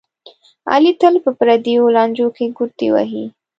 علي تل په پردیو لانجو کې ګوتې وهي.